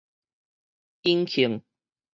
引磬